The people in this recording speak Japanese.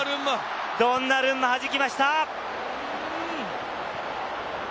ドンナルンマ、弾きました。